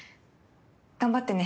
頑張ってね。